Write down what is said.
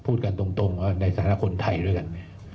พูดกันตรงในสถานกลุ่มไทยด้วยกัน